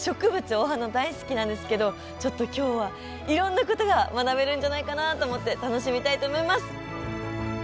お花大好きなんですけどちょっと今日はいろんなことが学べるんじゃないかなと思って楽しみたいと思います。